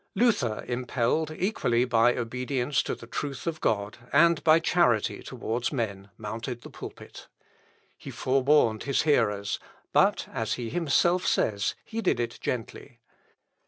Luther impelled equally by obedience to the truth of God, and by charity towards men, mounted the pulpit. He forewarned his hearers; but, as he himself says, he did it gently.